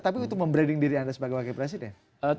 tapi untuk membrading diri anda sebagai wakil presiden